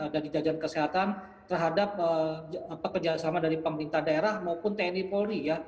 dari jajan kesehatan terhadap kerjasama dari pemerintah daerah maupun tni polri